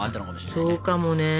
そうかもね。